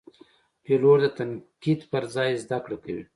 پیلوټ د تنقید پر ځای زده کړه کوي.